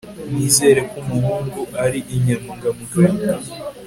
Nizera ko umuhungu ari inyangamugayo